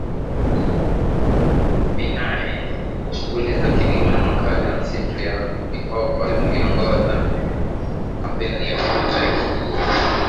vinane shughuli za kilimo na makazi na msitu ya mikokoNiliongoza kampeni ya kimataifa